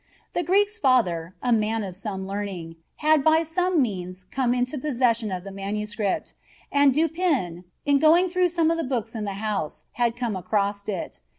The Greek's father, a man of some learning, had by some means come into possession of the MS., and Du Pin, in going through some of the books in the house, had come across it.